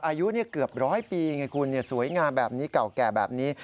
อายุเกือบร้อยปีไงคุณสวยงามแบบนี้เก่าแก่แบบนี้